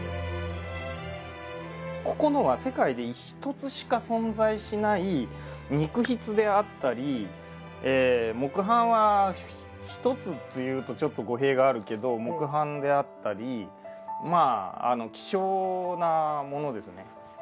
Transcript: ここのは世界で一つしか存在しない肉筆であったり木版は一つというとちょっと語弊があるけど木版であったり希少なものですね。